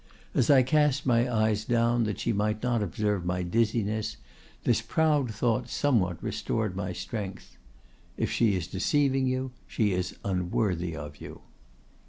As I cast my eyes down that she might not observe my dizziness, this proud thought somewhat restored my strength: 'If she is deceiving you, she is unworthy of you!